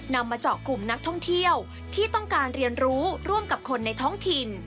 มาเจาะกลุ่มนักท่องเที่ยวที่ต้องการเรียนรู้ร่วมกับคนในท้องถิ่น